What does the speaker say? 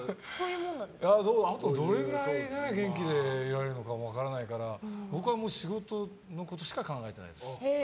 あとどれくらい元気でいられるのか分からないから僕は仕事のことしか考えてないです。